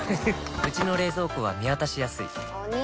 うちの冷蔵庫は見渡しやすいお兄！